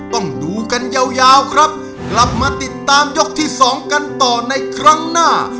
ต้องดูกันยาวครับกลับมาติดตามยกที่สองกันต่อในครั้งหน้า